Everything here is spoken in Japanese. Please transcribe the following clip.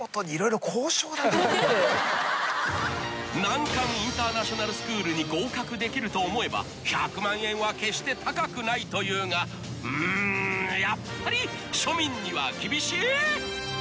［難関インターナショナルスクールに合格できると思えば１００万円は決して高くないというがうんやっぱり庶民には厳しい！］